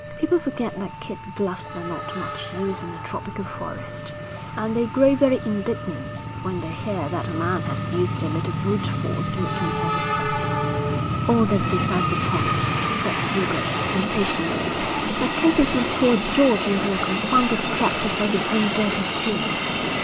People forget that kid gloves are not much use in a tropical forest, and they grow very indignant when they hear that a man has used a little brute force to make himself respected.' 'All that's beside the point,' said Boulger, impatiently. 'MacKenzie sent poor George into a confounded trap to save his own dirty skin.'